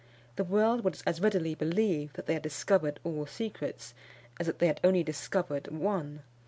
The world would as readily believe that they had discovered all secrets, as that they had only discovered one.